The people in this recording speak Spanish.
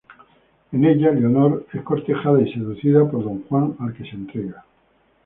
En ella, Leonor es cortejada y seducida por don Juan al que se entrega.